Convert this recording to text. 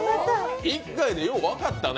１回で、よう分かったね。